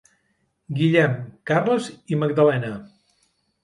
Guillem, Carles i Magdalena.